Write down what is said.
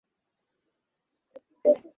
কী ভুলো মন মাগো কত করে যে বলে দিলাম আনতে?